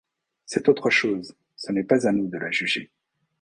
C'est autre chose, ce n'est pas à nous de la juger.